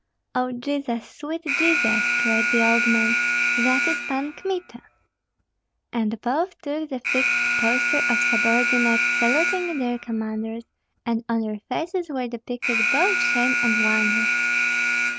"O Jesus! sweet Jesus!" cried the old man, "that is Pan Kmita!" And both took the fixed posture of subordinates saluting their commanders, and on their faces were depicted both shame and wonder.